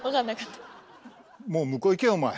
もう向こう行けお前。